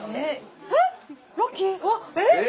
えっ！